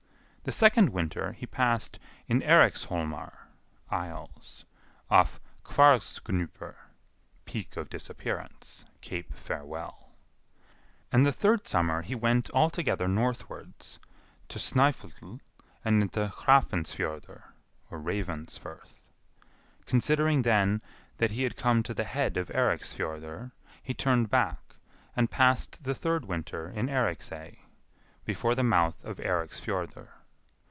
The second winter he passed in Eiriksholmar (isles), off Hvarfsgnupr (peak of disappearance, Cape Farewell); and the third summer he went altogether northwards, to Snœfell and into Hrafnsfjordr (Ravensfirth); considering then that he had come to the head of Eiriksfjordr, he turned back, and passed the third winter in Eiriksey, before the mouth of Eiriksfjordr.